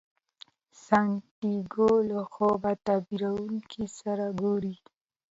سانتیاګو له خوب تعبیرونکي سره ګوري.